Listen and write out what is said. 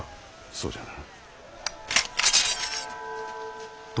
そうじゃな。